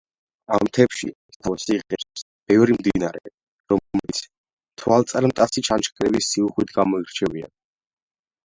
ამ მთებში სათავეს იღებს ბევრი მდინარე, რომლებიც თვალწარმტაცი ჩანჩქერების სიუხვით გამოირჩევიან.